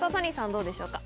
どうでしょうか。